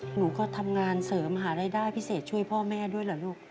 หนูก็ทำงานเสริมหารายได้พิเศษช่วยพ่อแม่ด้วยเหรอลูก